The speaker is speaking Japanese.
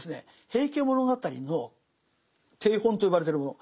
「平家物語」の定本と呼ばれてるもの